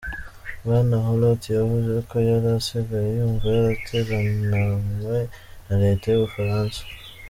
Bwana Hulot yavuze ko yari asigaye yumva “yaratereranwe” na leta y’Ubufaransa.